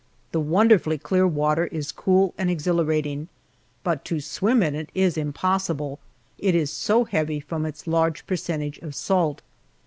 The wonderfully clear water is cool and exhilarating, but to swim in it is impossible, it is so heavy from its large percentage of salt.